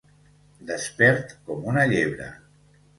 Despert com una llebre.